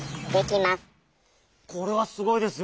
これはすごいですよ。